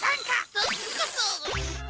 そっちこそ！